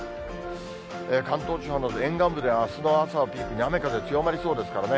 関東地方の沿岸部では、あすの朝をピークに雨風強まりそうですからね。